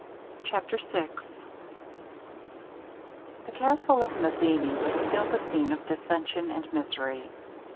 CHAPTER VI The castle of Mazzini was still the scene of dissension and misery.